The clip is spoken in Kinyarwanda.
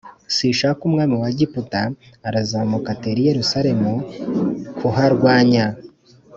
Shishaki umwami wa Egiputa arazamuka atera i Yerusalemu kuharwanya